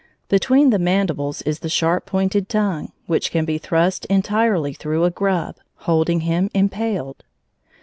Between the mandibles is the sharp pointed tongue, which can be thrust entirely through a grub, holding him impaled.